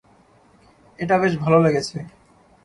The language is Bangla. এটা বেশ ভালো লেগেছে।